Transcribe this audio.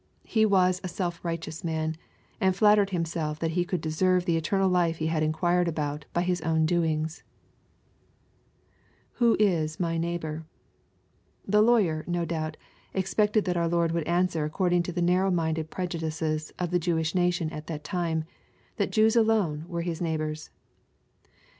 He was a self righteous man, and flattered himself that he could I deserve the elei^afl" life he had inquired about by his own doings, [Who is my neighbor T] The lawyer, no doubt^ expected that our Lord would answer according to Uie narrow minded prejudices of the Jewish nation at that time, that Jews alone were his neighbors.